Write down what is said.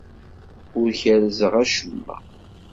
Ur kerrzeɣ acemma.